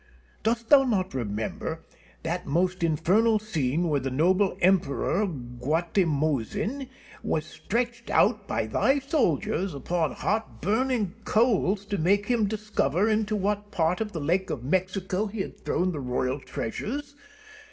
Dost thou not remember that most infernal scene when the noble Emperor Guatimozin was stretched out by thy soldiers upon hot burning coals to make him discover into what part of the lake of Mexico he had thrown the royal treasures?